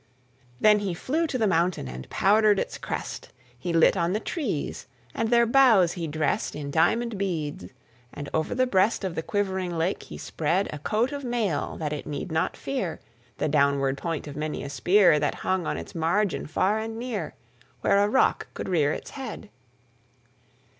Then he flew to the mountain and powdered its crest; He lit on the trees, and their boughs he dressed In diamond beads and over the breast Of the quivering lake he spread A coat of mail, that it need not fear The downward point of many a spear That hung on its margin far and near, Where a rock could rear its head.